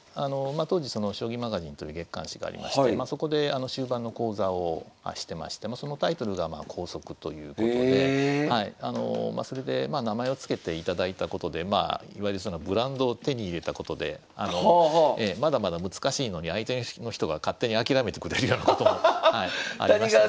当時「将棋マガジン」という月刊誌がありましてそこで終盤の講座をしてましてそのタイトルが「光速」ということでそれで名前を付けていただいたことでいわゆるそのブランドを手に入れたことでまだまだ難しいのに相手の人が勝手に諦めてくれるようなこともありました。